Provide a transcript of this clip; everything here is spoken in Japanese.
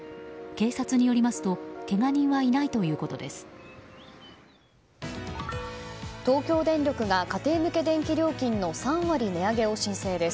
警察によりますとけが人はいないということです。